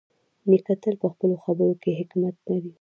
نیکه تل په خپلو خبرو کې حکمت لري.